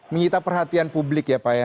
mengita perhatian publik ya pak